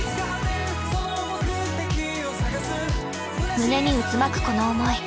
胸に渦巻くこの思い。